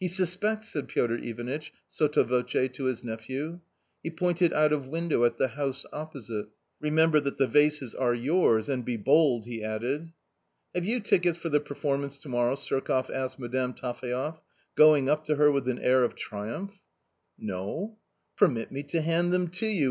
"He suspects!" said Piotr Ivanitch, sotto voce^ to his nephew. He pointed out of window at the house opposite. " Remember that the vases are yours, and be bold," he added. s cp "Have you tickets for the performance to morrow?" ^^ Surko ff asked Madame T aphaev, going up to her with an air ^.:■•< of triumph. "No." " Permit me to hand them to you